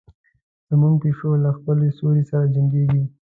زموږ پیشو له خپل سیوري سره جنګیږي.